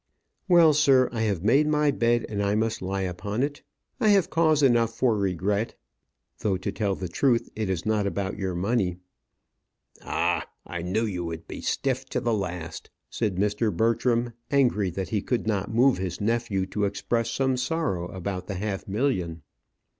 "Well, sir, I have made my bed, and I must lie upon it. I have cause enough for regret though, to tell the truth, it is not about your money." "Ah, I knew you would be stiff to the last," said Mr. Bertram, angry that he could not move his nephew to express some sorrow about the half million.